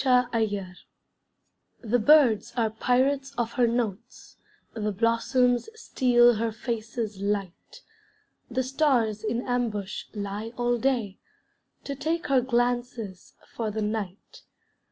JOY SUPREME The birds are pirates of her notes, The blossoms steal her face's light; The stars in ambush lie all day, To take her glances for the night.